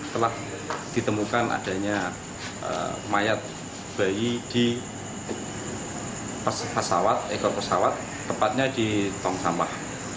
telah ditemukan adanya mayat bayi di pesawat ekor pesawat tepatnya di tong sampah